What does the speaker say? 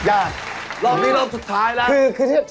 รอบนี้รอบสุดท้ายแล้ว